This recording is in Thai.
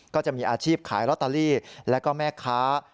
ก็จะมีอาชีพขายลอตเตอรี่แล้วก็แม่ค้า